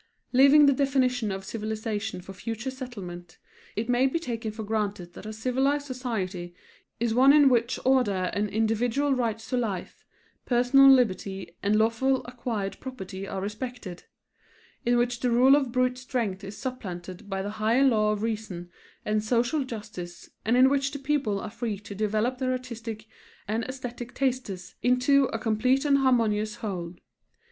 Leaving the definition of civilization for future settlement, it may be taken for granted that a civilized society is one in which order and individual rights to life, personal liberty, and lawfully acquired property are respected; in which the rule of brute strength is supplanted by the higher law of reason and social justice and in which the people are free to develop their artistic and aesthetic tastes into a complete and harmonious whole.